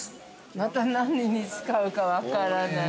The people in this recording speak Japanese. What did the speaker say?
◆また何に使うか分からない。